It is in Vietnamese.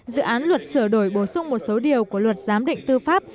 dự án luật sửa đổi bổ sung một số điều của luật giám định tư pháp